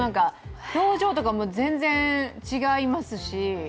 表情とかも全然違いますし。